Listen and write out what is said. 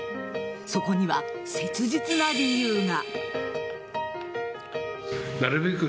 そこには切実な理由が。